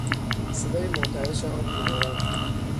صدای مرتعش آن بیماران